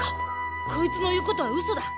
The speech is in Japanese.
こいつの言うことはうそだ！